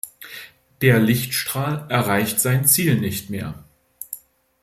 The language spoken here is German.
Der Lichtstrahl erreicht sein Ziel nicht mehr.